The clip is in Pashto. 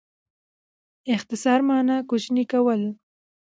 اختصار مانا؛ کوچنی کول.